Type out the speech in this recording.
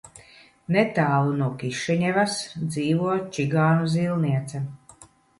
Netālu no Kišiņevas dzīvo čigānu zīlniece.